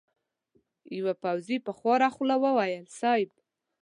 يوه پوځي په خواره خوله وويل: صېب!